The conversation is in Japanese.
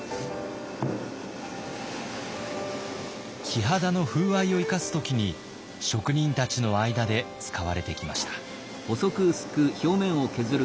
木肌の風合いを生かす時に職人たちの間で使われてきました。